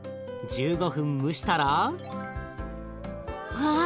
１５分蒸したら。わ！